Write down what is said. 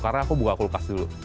karena aku buka kulkas dulu